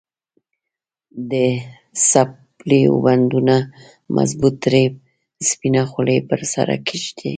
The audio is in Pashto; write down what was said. د څپلیو بندونه مضبوط تړي، سپینه خولې پر سر کږه ږدي.